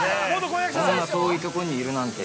こんな遠いところにいるなんて。